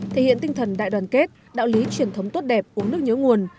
thể hiện tinh thần đại đoàn kết đạo lý truyền thống tốt đẹp uống nước nhớ nguồn